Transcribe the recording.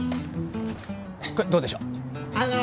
これどうでしょう？